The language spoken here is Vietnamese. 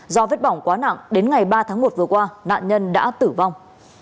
do vết bỏng quá nặng đến ngày ba tháng một vừa qua nạn nhân đã tử vong